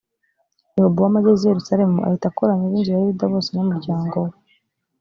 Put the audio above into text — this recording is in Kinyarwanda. rehobowamu ageze i yerusalemu ahita akoranya ab inzu ya yuda bose n umuryangowe